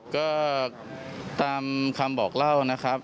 ก็ตามคำบอกเล่านะครับ